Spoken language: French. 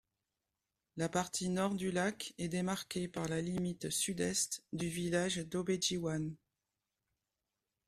La partie Nord du lac est démarquée par la limite Sud-Est du village d’Obedjiwan.